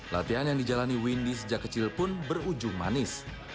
latihan yang dijalani windy sejak kecil pun berujung manis